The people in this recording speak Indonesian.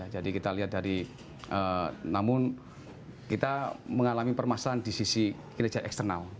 jadi kita lihat dari namun kita mengalami permasalahan di sisi kinerja eksternal